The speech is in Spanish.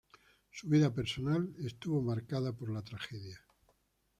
Su vida personal estuvo marcada por la tragedia.